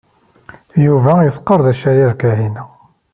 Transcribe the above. Yuba yesqerdec aya d Kahina.